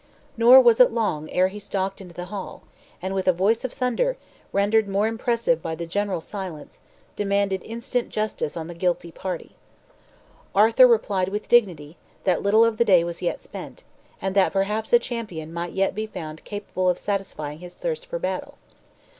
Nor was it long ere he stalked into the hall, and with a voice of thunder, rendered more impressive by the general silence, demanded instant justice on the guilty party. Arthur replied with dignity, that little of the day was yet spent, and that perhaps a champion might yet be found capable of satisfying his thirst for battle.